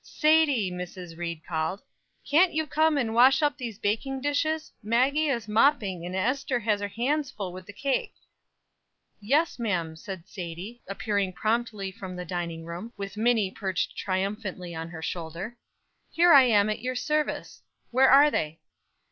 "Sadie!" Mrs. Ried called, "can't you come and wash up these baking dishes? Maggie is mopping, and Ester has her hands full with the cake." "Yes, ma'am," said Sadie, appearing promptly from the dining room, with Minnie perched triumphantly on her shoulder. "Here I am, at your service. Where are they?"